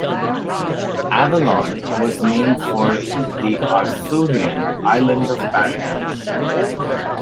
Avalon was named for the Arthurian island of paradise.